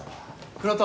倉田？